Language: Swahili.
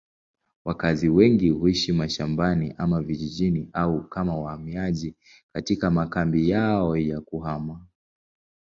Wakazi wengi huishi mashambani ama vijijini au kama wahamiaji katika makambi yao ya kuhama.